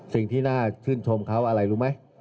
สิ่งที่น่าชื่นชมเขาอะไรรู้ไหม